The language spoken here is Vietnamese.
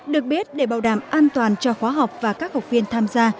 được biết để bảo đảm an toàn cho khóa học và các học viên tham gia